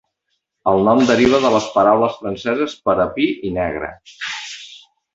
El nom deriva de les paraules franceses per a "pi" i "negre".